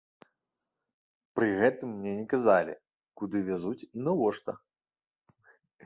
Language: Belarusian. Пры гэтым мне не казалі, куды вязуць і навошта.